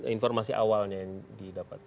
informasi awalnya yang didapat